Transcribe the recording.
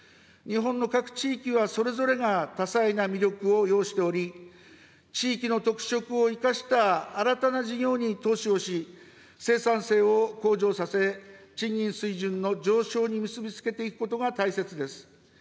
日本の各地域は、それぞれが多彩な魅力を要しており、地域の特色を生かした新たな事業に投資をし、生産性を向上させ、賃金水準の上昇に結び付けていくことが大切です。